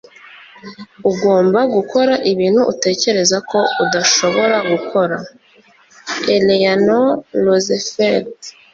ugomba gukora ibintu utekereza ko udashobora gukora. - eleanor roosevelt